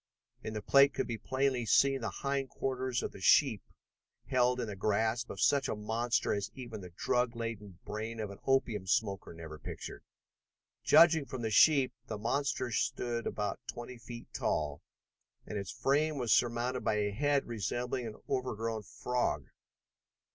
In the plate could be plainly seen the hind quarters of the sheep held in the grasp of such a monster as even the drug laden brain of an opium smoker never pictured. Judging from the sheep, the monster stood about twenty feet tall, and its frame was surmounted by a head resembling an overgrown frog.